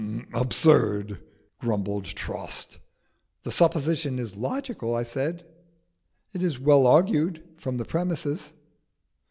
"Absurd!" grumbled Trost. "The supposition is logical," said I. "It is well argued from the premises."